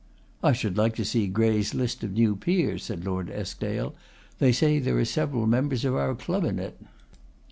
'I should like to see Grey's list of new peers,' said Lord Eskdale. 'They say there are several members of our club in it.